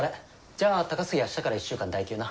じゃあ高杉は明日から１週間代休な。